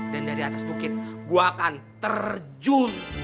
dari atas bukit gue akan terjun